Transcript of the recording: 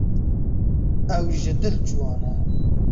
Ew ji dil ciwan e.